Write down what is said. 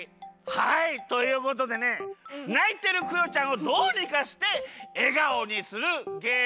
はいということでねないてるクヨちゃんをどうにかしてえがおにするゲームでございます。